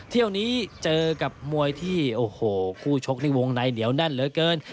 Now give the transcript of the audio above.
เที่ยวนี้เจอกับมวยที่โอ้โหคู่ชกในวงในเหนียวแน่นเหลือเกิน